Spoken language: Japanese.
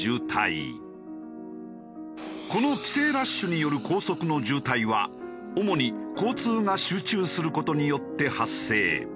この帰省ラッシュによる高速の渋滞は主に交通が集中する事によって発生。